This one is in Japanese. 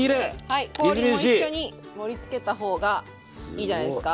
はい氷も一緒に盛りつけた方がすごいいいじゃないですか。